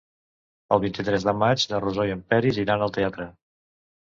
El vint-i-tres de maig na Rosó i en Peris iran al teatre.